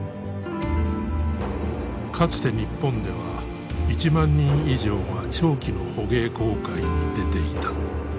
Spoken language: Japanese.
かつて日本では１万人以上が長期の捕鯨航海に出ていた。